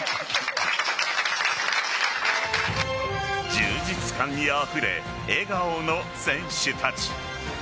充実感にあふれ笑顔の選手たち。